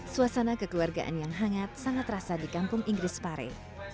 suasana kekeluargaan yang hangat sangat terasa di kampung inggris pare